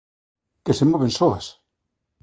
que se moven soas